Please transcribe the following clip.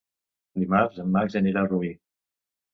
Dimarts en Max anirà a Rubí.